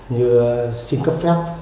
như xin cấp phép